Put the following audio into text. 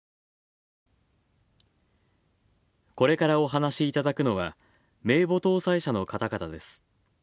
これからお話しいただくのは、名簿登載者の方々です。